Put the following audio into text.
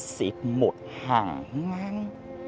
xếp một hàng ngang